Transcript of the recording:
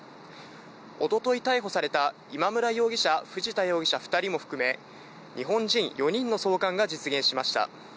一昨日逮捕された今村容疑者、藤田容疑者の２人も含め、日本人４人の送還が実現しました。